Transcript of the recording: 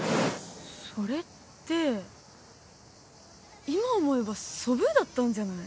それって今思えばソブーだったんじゃない？